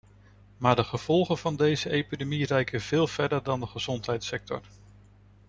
Maar de gevolgen van deze epidemie reiken veel verder dan de gezondheidssector.